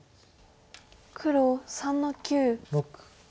黒３の九。